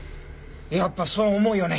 やっぱそう思うよね！